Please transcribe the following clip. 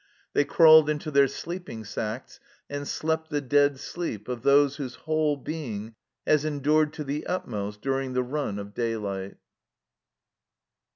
They crawled into their sleeping sacks, and slept the dead sleep of those whose whole being has endured to the utmost during the run of daylight.